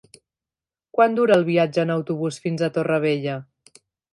Quant dura el viatge en autobús fins a Torrevella?